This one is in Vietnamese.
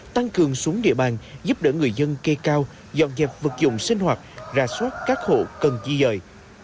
tăng cường xuống địa bàn giúp đỡ người dân kê cao dọn dẹp vật dụng sinh hoạt ra soát các hộ cần chi dời